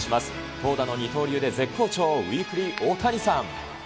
投打の二刀流で絶好調、ウィークリーオオタニサン！